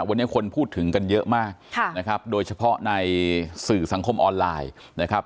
วันนี้คนพูดถึงกันเยอะมากนะครับโดยเฉพาะในสื่อสังคมออนไลน์นะครับ